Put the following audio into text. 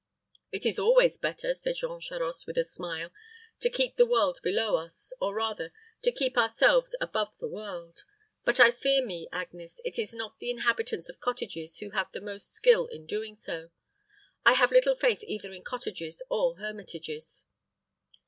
"It is always better," said Jean Charost, with a smile, "to keep the world below us or, rather, to keep ourselves above the world; but I fear me, Agnes, it is not the inhabitants of cottages who have the most skill in doing so. I have little faith either in cottages or hermitages."